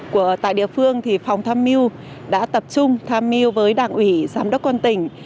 của tại địa phương thì phòng tham mưu đã tập trung tham mưu với đảng ủy giám đốc quân tỉnh